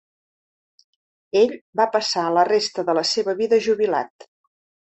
Ell va passar la resta de la seva vida jubilat.